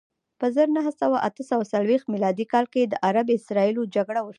په زر نه سوه اته څلویښت میلادي کال کې د عرب اسراییلو جګړه وشوه.